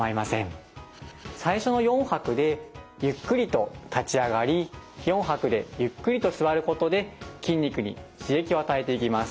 最初の４拍でゆっくりと立ち上がり４拍でゆっくりと座ることで筋肉に刺激を与えていきます。